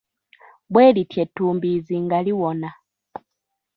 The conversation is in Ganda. Bwe lityo ettumbiizi nga liwona.